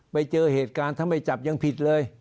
ไปเจอเหตุการณ์ถ้าไม่จับยังผิดเลย